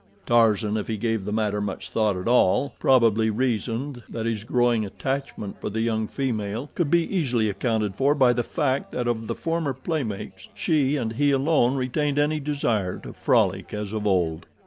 Tarzan, if he gave the matter much thought at all, probably reasoned that his growing attachment for the young female could be easily accounted for by the fact that of the former playmates she and he alone retained any desire to frolic as of old.